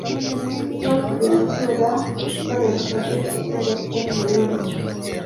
Ikigo kigenzura ikoreshwa ry'imiti ndetse n'ibiribwa